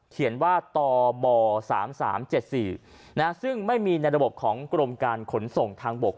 เขียนว่าตบ๓๓๗๔ซึ่งไม่มีในระบบของกรมการขนส่งทางบก